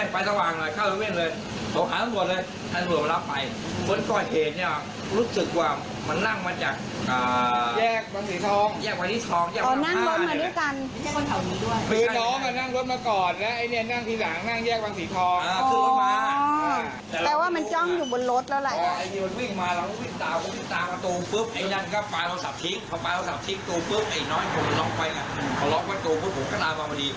อ๋อเพราะว่ามันก้องอยู่บนรถแล้วแหละ